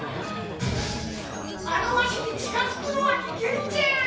あのあしにちかづくのはきけんじゃ。